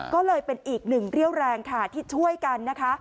ก็เลยเป็นอีกหนึ่งเรี่ยวแรงค่ะที่ช่วยกันนะคะ